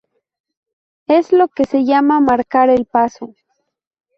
Es lo que se llama marcar el paso.